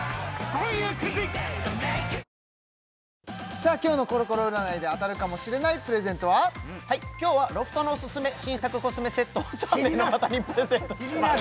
さあ今日のコロコロ占いで当たるかもしれないプレゼントは今日はロフトのオススメ新作コスメセットを３名の方にプレゼントします